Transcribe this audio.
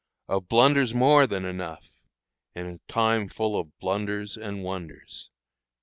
Of blunders more than enough, In a time full of blunders and wonders."